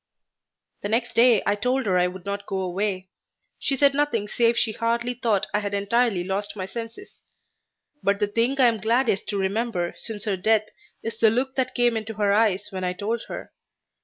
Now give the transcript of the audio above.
The next day I told her I would not go away. She said nothing save she hardly thought I had entirely lost my senses, but the thing I am gladdest to remember since her death is the look that came into her eyes when I told her.